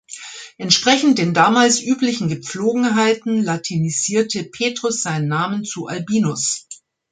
Entsprechend den damals üblichen Gepflogenheiten latinisierte Petrus seinen Namen zu Albinus.